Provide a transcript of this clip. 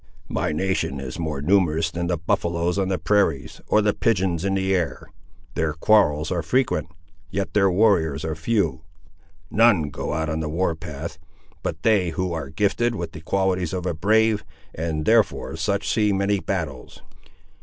"My nation is more numerous than the buffaloes on the prairies, or the pigeons in the air. Their quarrels are frequent; yet their warriors are few. None go out on the war path but they who are gifted with the qualities of a brave, and therefore such see many battles."